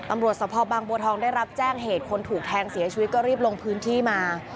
ตำรวจสภบางบัวทองได้รับแจ้งเหตุคนถูกแทงเสียชีวิตก็รีบลงพื้นที่มา